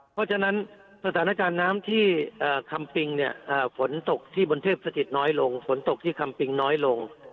เพราะฉะนั้นสถานจารย์น้ำที่คัมปิงเนี่ยฝนตกที่บนเทพศาสตริตน้อยลง